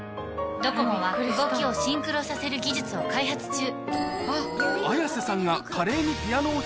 ドコモは動きをシンクロさせる技術を開発中。